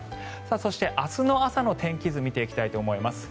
そして明日の朝の天気図を見ていきたいと思います。